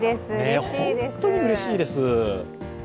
本当にうれしいです。